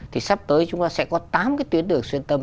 thì sắp tới chúng ta sẽ có tám cái tuyến đường xuyên tâm